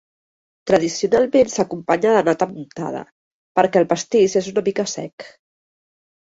Tradicionalment s'acompanya de nata muntada, perquè el pastís és una mica sec.